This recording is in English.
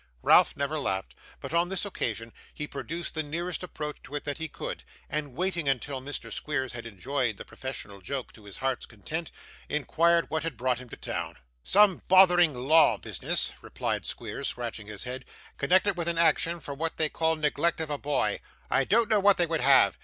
Ralph never laughed, but on this occasion he produced the nearest approach to it that he could, and waiting until Mr. Squeers had enjoyed the professional joke to his heart's content, inquired what had brought him to town. 'Some bothering law business,' replied Squeers, scratching his head, 'connected with an action, for what they call neglect of a boy. I don't know what they would have.